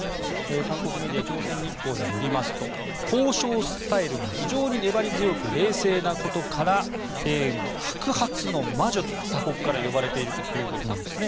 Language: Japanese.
韓国メディア朝鮮日報によりますと交渉スタイルが非常に粘り強く冷静なことから白髪の魔女と他国から呼ばれているということです。